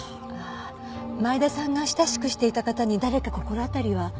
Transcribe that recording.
前田さんが親しくしていた方に誰か心当たりは？